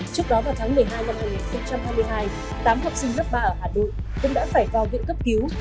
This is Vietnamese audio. trước đó vào tháng một mươi hai năm hai nghìn hai mươi hai tám học sinh lớp ba ở hà nội cũng đã phải vào viện cấp cứu